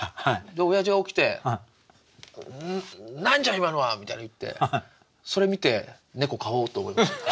おやじが起きて「んん。何じゃ今のは！」みたいの言ってそれ見て猫飼おうと思いましたね。